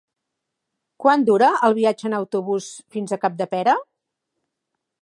Quant dura el viatge en autobús fins a Capdepera?